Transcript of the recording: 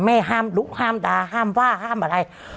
ห้ามลุกห้ามด่าห้ามว่าห้ามอะไร